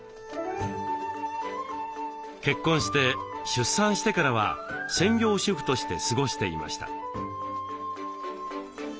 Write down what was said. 結婚して出産してからは専業主婦として過ごしていました。